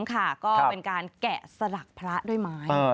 ค่ะก็เป็นการแกะสลักพระด้วยไม้